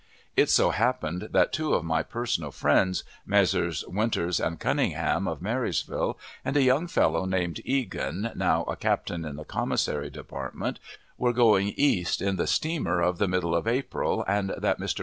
It so happened that two of my personal friends, Messrs. Winters and Cunningham of Marysville, and a young fellow named Eagan, now a captain in the Commissary Department, were going East in the steamer of the middle of April, and that Mr..